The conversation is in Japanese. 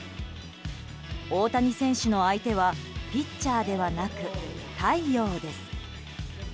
大谷選手の相手はピッチャーではなく太陽です。